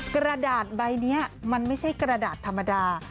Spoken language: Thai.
กระดาษใบนี้มันไม่ใช่กระดาษธรรมดา